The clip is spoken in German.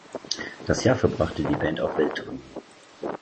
Das Jahr verbrachte die Band auf Welttournee.